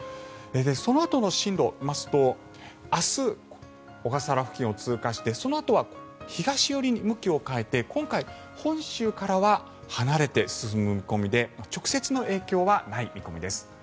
そのあとの進路を見ますと明日、小笠原付近を通過してそのあとは東寄りに向きを変えて今回、本州からは離れて進む見込みで直接の影響はない見込みです。